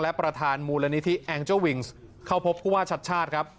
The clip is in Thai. และประธานมูลนิธิแองเจอร์วิงส์เข้าพบผู้ว่าชัดชาติครับ